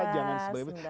jangan sebagai petugas